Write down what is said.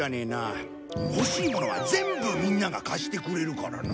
欲しいものは全部みんなが貸してくれるからな。